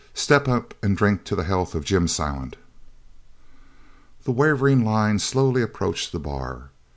"Step up an' drink to the health of Jim Silent!" The wavering line slowly approached the bar.